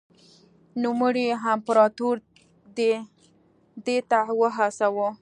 نوموړي امپراتور دې ته وهڅاوه.